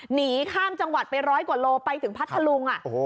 หนีข้ามจังหวัดไปร้อยกว่าโลไปถึงพัทธลุง